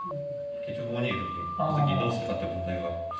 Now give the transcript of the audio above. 結局５二玉の時にどうするかって問題が残るんで。